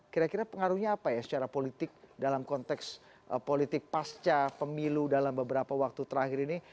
kira kira pengaruhnya apa ya secara politik dalam konteks politik pasca pemilu dalam beberapa waktu terakhir ini